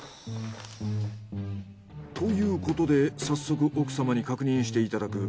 ということで早速奥様に確認していただく。